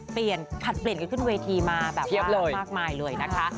เปลี่ยนผลัดเปลี่ยนกันขึ้นเวทีมาแบบเยอะมากมายเลยนะคะ